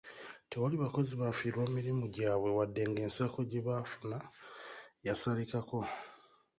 Tewali bakozi baafiirwa mirimu gyabwe wadde ng'ensako gye bafuna yasalikako.